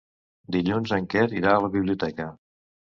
Dilluns en Quer irà a la biblioteca.